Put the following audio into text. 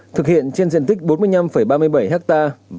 thực hiện trên diện tích bốn mươi năm ba mươi bảy hectare